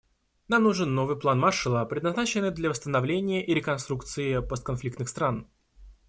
Нам нужен новый план Маршалла, предназначенный для восстановления и реконструкции постконфликтных стран.